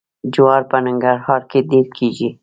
جوار په ننګرهار کې ډیر کیږي.